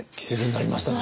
なりました。